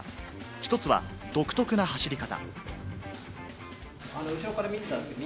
１つは独特な走り方。